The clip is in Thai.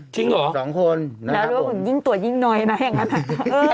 จริงเหรอสองคนนะครับผมแล้วดูว่ายิ่งตรวจยิ่งน้อยนะอย่างนั้นค่ะ